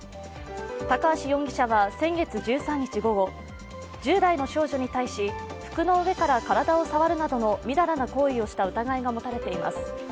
高橋容疑者は先月１３日午後１０代の少女に対し服の上から体を触るなどのみだらな行為をした疑いが持たれています。